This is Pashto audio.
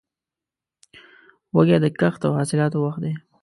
وږی د کښت او حاصلاتو وخت دی.